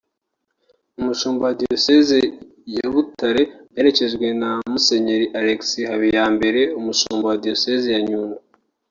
umushumba wa Diyosezi ya Butare aherekejwe na Musenyeri Alexis Habiyambere umushumba wa Diyosezi ya Nyundo